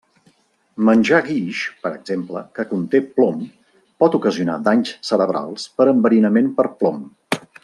Menjar guix, per exemple, que conté plom, pot ocasionar danys cerebrals per enverinament per plom.